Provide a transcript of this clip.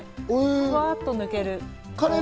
ふわっと抜ける。